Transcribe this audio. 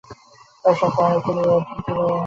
কয়েক শত আমেরিকায় নিউ ইয়র্কে গুডইয়ারের নামে পাঠাতে পার।